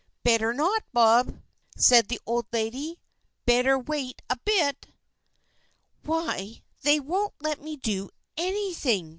"Better not, Bob!" said the old lady. "Better wait a bit!" "Why, they won't let me do anything!"